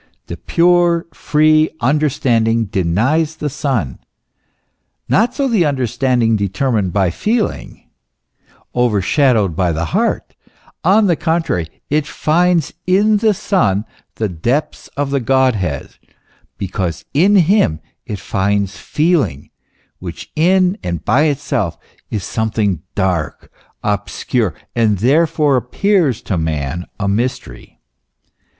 The pure, free understanding denies the Son, not so the understanding determined by feeling, overshadowed by the heart ; on the contrary, it finds in the Son the depths of the Godhead, because in him it finds feeling, which in and by itself is something dark, obscure, and therefore appears to man a mystery.